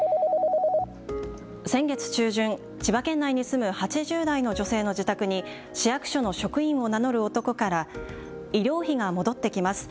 先月中旬、千葉県内に住む８０代の女性の自宅に市役所の職員を名乗る男から医療費が戻ってきます。